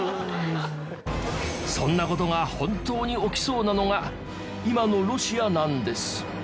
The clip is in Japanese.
そんな事が本当に起きそうなのが今のロシアなんです。